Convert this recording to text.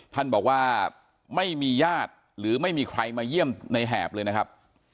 ท่านบอกว่าไม่มีญาติหรือไม่มีใครมาเยี่ยมในแหบเลยนะครับ